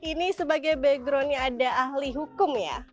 ini sebagai backgroundnya ada ahli hukum ya